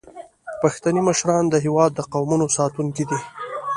پښتني مشران د هیواد د قومونو ساتونکي دي.